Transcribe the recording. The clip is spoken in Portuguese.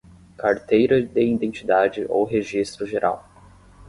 Carteira de Identidade ou Registro Geral